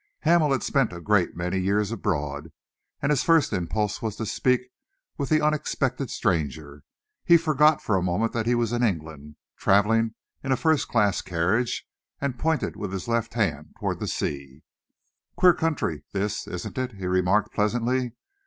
Hamel had spent a great many years abroad, and his first impulse was to speak with the unexpected stranger. He forgot for a moment that he was in England, travelling in a first class carriage, and pointed with his left hand towards the sea. "Queer country this, isn't it?" he remarked pleasantly.